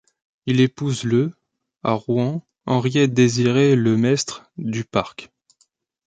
Il épouse le à Rouen Henriette Désirée Le Maistre Duparc.